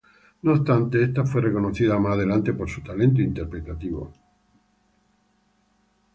No obstante, esta fue reconocida más adelante por su talento interpretativo.